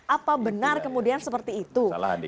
apa benar kemudian seperti itu